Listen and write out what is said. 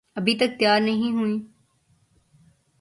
ابھی تک تیار نہیں ہوئیں؟